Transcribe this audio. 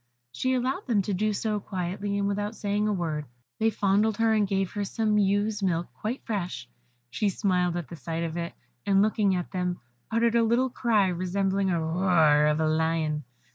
She allowed them to do so quietly, and without saying a word. They fondled her, and gave her some ewe's milk quite fresh. She smiled at the sight of it, and looking at them, uttered a little cry resembling the roar of a lion.